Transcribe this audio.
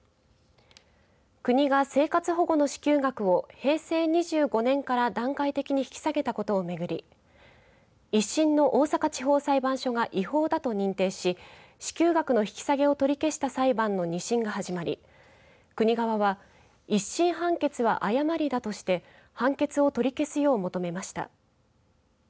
国が生活保護の支給額を平成２５年から段階的に引き下げたことをめぐり１審の大阪地方裁判所が違法だと認定し支給額の引き下げを取り消した裁判の２審が始まり国側は、１審判決は誤りだとして判決を取り消すよう求めました。